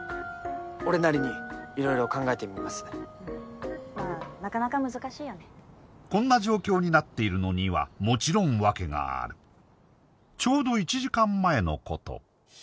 俺なりにいろいろ考えてみますねうんまあなかなか難しいよねこんな状況になっているのにはもちろん訳があるちょうど１時間前のこと